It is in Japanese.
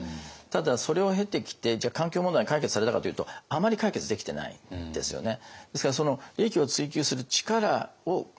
ただそれを経てきてじゃあ環境問題解決されたかというとあまり解決できてないですよね。